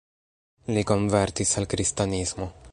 Li konvertis al kristanismo.